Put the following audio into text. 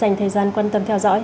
dành thời gian quan tâm theo dõi